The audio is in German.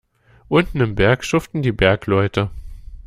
Unten im Berg schuften die Bergleute.